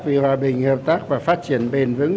vì hòa bình hợp tác và phát triển bền vững